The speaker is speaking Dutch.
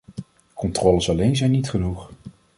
Controles alleen zijn niet genoeg!